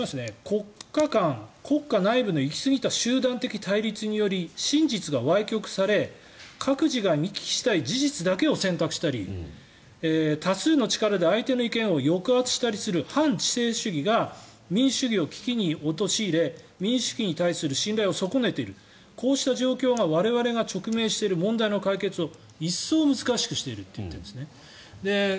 国家間、国家内部の行きすぎた集団的対立により真実がわい曲され各自が見聞きしたい事実だけを選択したり多数の力で相手の意見を抑圧したりする反知性主義が民主主義を危機に陥れ民主主義に対する信頼を損ねているこうした状況が我々が直面している問題の解決を一層難しくしていると言っているんですね。